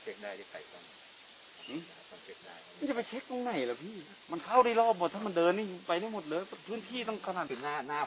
หรือพื้นที่หลังหน้าฝั่งวันนี้หน้าฝั่งรุมแบบนี้พื้นไฟมันล้มมาพัดตรงนี้